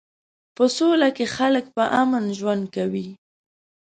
په سوله کې خلک په امن ژوند کوي.